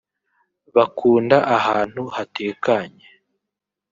bakunda ahantu hatekanye